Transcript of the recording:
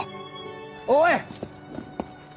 おい！